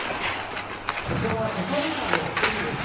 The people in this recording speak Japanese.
こちらは世界遺産の故宮です